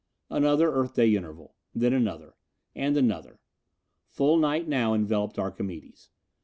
Another Earth day interval. Then another. And another. Full night now enveloped Archimedes.